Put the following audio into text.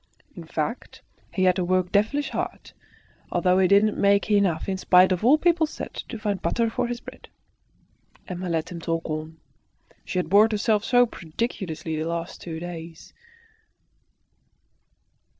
In fact, he had to work devilish hard, although he didn't make enough, in spite of all people said, to find butter for his bread. Emma let him talk on. She had bored herself so prodigiously the last two days.